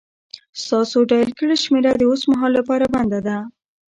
ستاسو ډائل کړې شمېره د اوس مهال لپاره بنده ده